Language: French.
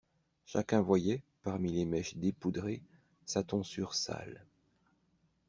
Chacun voyait, parmi les mèches dépoudrées, sa tonsure sale.